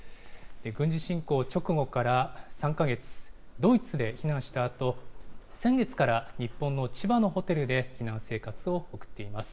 軍事侵攻直後から３か月、ドイツで避難したあと、先月から日本の千葉のホテルで避難生活を送っています。